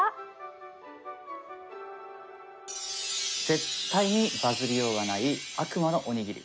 絶対にバズりようがない「悪魔のおにぎり」